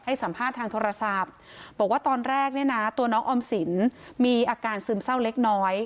สัมภาษณ์ทางโทรศัพท์บอกว่าตอนแรกเนี่ยนะตัวน้องออมสินมีอาการซึมเศร้าเล็กน้อย